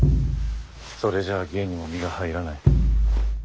それじゃあ芸にも身が入らない。